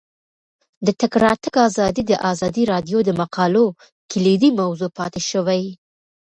د تګ راتګ ازادي د ازادي راډیو د مقالو کلیدي موضوع پاتې شوی.